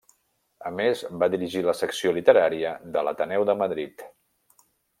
A més va dirigir la secció literària de l'Ateneu de Madrid.